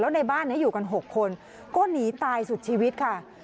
ในบ้านนี้อยู่กัน๖คนก็หนีตายสุดชีวิตค่ะ